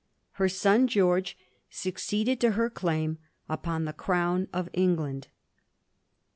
Her son George succeeded to her claim upon the crown of England.